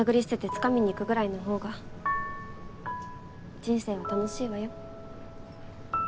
つかみにいくぐらいのほうが人生は楽しいわよ